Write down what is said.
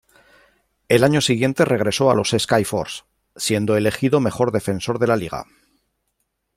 Al año siguiente regresó a los Skyforce, siendo elegido mejor defensor de la liga.